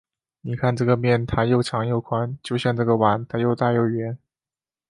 你看这个面，它又长又宽，就像这个碗，它又大又圆。